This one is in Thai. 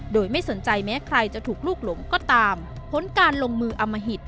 โดยไม่สนใจแม้ใครจะถูกลูกหลงก็ตามผลการลงมืออมหิต